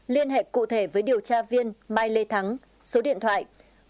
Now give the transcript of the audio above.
liên hệ cụ thể với điều tra viên mai lê thắng số điện thoại chín trăm tám mươi ba